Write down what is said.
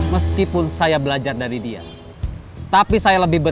meskipun saya belajar dari dia tapi saya lebih